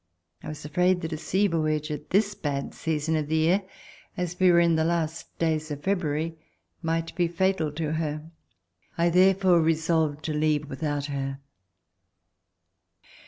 I was afraid that a sea voyage at this bad season of the year, as we were in the last days of February, might be fatal to her. I therefore resolved to leave DECISION TO LEAVE FRANCE without her.